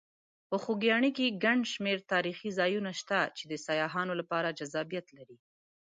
په خوږیاڼي کې ګڼ شمېر تاریخي ځایونه شته چې د سیاحانو لپاره جذابیت لري.